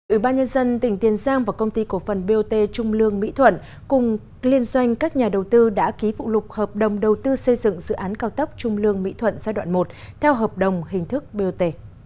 ủy ban nhân dân tỉnh tiền giang và công ty cổ phần bot trung lương mỹ thuận cùng liên doanh các nhà đầu tư đã ký phụ lục hợp đồng đầu tư xây dựng dự án cao tốc trung lương mỹ thuận giai đoạn một theo hợp đồng hình thức bot